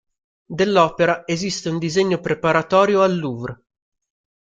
Dell'opera esiste un disegno preparatorio al Louvre.